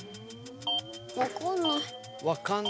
わかんない。